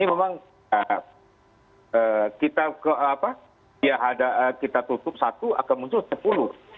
ini memang kita tutup satu akan muncul sepuluh